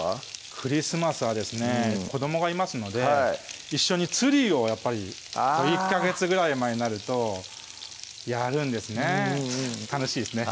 クリスマスはですね子どもがいますので一緒にツリーをやっぱり１ヵ月ぐらい前になるとやるんですね楽しいですね